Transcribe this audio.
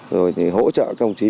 rồi hỗ trợ công chí